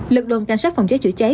lực lượng cảnh sát phòng cháy chữa cháy